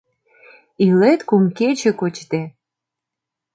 Илет кум кече кочде